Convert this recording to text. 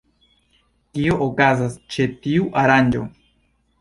Kio okazas ĉe tiu aranĝo?